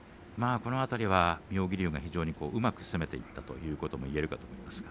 この辺りは妙義龍うまく攻めていったということは言えると思います。